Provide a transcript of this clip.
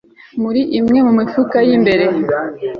muri imwe mu mifuka y'imbere